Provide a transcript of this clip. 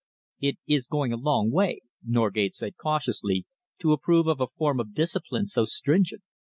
"It is going a long way," Norgate said cautiously, "to approve of a form of discipline so stringent."